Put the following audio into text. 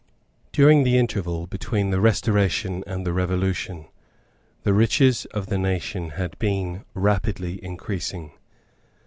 During the interval between the Restoration and the Revolution the riches of the nation had been rapidly increasing.